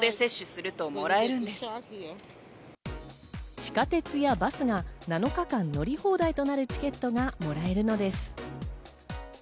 地下鉄やバスが７日間乗り放題となるチケットがもらえるのです。